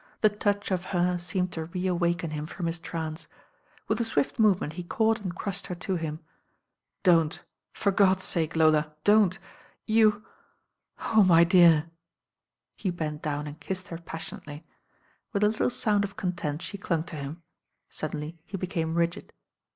The touch of her seemed to reawaken him from his trance. With a swift movement he caught and crushed her to him. "Don't, for God's sake, Lola, don't. You Oh, my dear." He bent down and kissed her pas sionately. With a little sound of content she clung to him. Suddenly he became rigid.